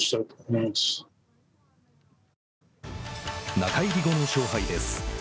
中入り後の勝敗です。